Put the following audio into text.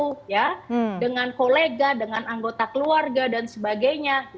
peristiwa yang terkait dengan itu ya dengan kolega dengan anggota keluarga dan sebagainya